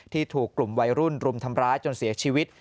ถูกกลุ่มวัยรุ่นรุมทำร้ายจนเสียชีวิต